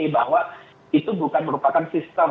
bahwa itu bukan merupakan sistem